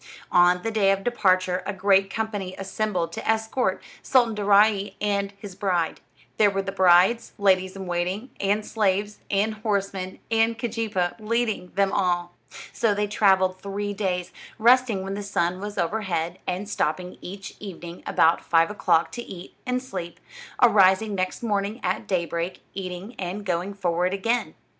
On the day of the departure a great company assembled to escort Sultan Daaraaee and his bride. There were the bride's ladies in waiting, and slaves, and horsemen, and Keejeepaa leading them all. So they traveled three days, resting when the sun was overhead, and stopping each evening about five o'clock to eat and sleep; arising next morning at day break, eating, and going forward again.